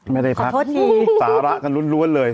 ไม่ได้พักสาระกันล้วนเลย